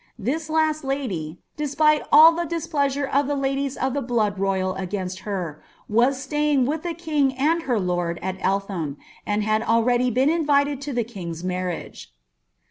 This lost lady, deapile of all the displeasure of the ladies vi ttu blood royal against her, was staying with the king and her lord alCU tham, anil had already been inviied to die king's marriagn.